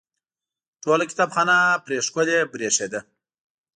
ټوله کتابخانه پرې ښکلې برېښېده.